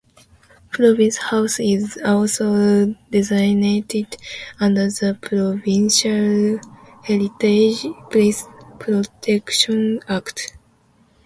Province House is also designated under the provincial Heritage Places Protection Act.